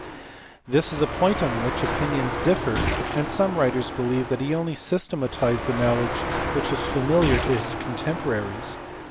This is a point on which opinions differ, and some writers believe that he only systematized the knowledge which was familiar to his contemporaries.